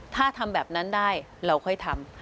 ถ้าทำแบบนั้นได้เราค่อยทำ